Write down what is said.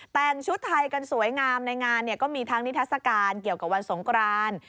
แต่งชุดไทยกันสวยงามในงานก็มีทั้งนิทัศกาลเกี่ยวกับวันสงคราน